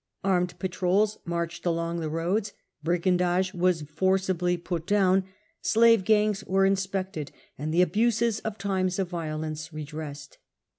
Armed patrols marched along the roads, brigandage was forcibly put down, slave gangs were inspected, and the abuses of times of violence redressed.